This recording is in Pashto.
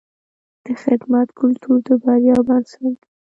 د خدمت کلتور د بریا بنسټ دی.